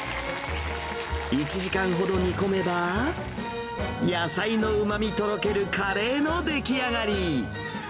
１時間ほど煮込めば、野菜のうまみとろけるカレーの出来上がり。